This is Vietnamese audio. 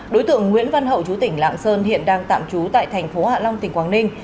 đối tượng nguyễn văn hậu chú tỉnh lạng sơn hiện đang tạm trú tại thành phố hạ long tỉnh quảng ninh